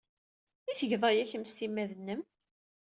I tgeḍ aya kemm s timmad-nnem?